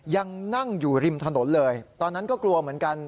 ยังนั่งอยู่ริมถนนเลยตอนนั้นก็กลัวเหมือนกัน